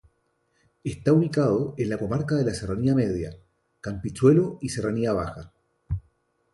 Está ubicado en la comarca de la Serranía Media-Campichuelo y Serranía Baja.